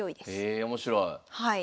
へえ面白い。